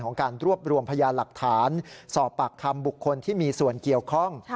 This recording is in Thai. การรวบรวมพยานหลักฐานสอบปากคำบุคคลที่มีส่วนเกี่ยวข้อง